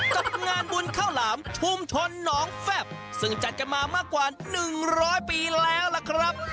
กับงานบุญข้าวหลามชุมชนหนองแฟบซึ่งจัดกันมามากกว่า๑๐๐ปีแล้วล่ะครับ